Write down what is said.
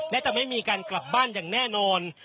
และจะไม่มีการกลับบ้านอย่างแน่นอน